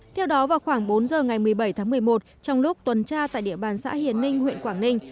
theo đó vào khoảng bốn giờ ngày một mươi bảy tháng một mươi một trong lúc tuần tra tại địa bàn xã hiền ninh huyện quảng ninh